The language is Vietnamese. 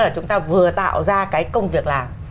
là chúng ta vừa tạo ra cái công việc làm